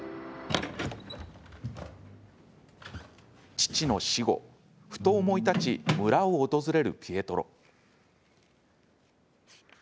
父の死後、ふと思い立ち村を訪れるピエトロ。